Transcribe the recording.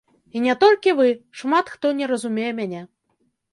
І не толькі вы, шмат хто не разумее мяне.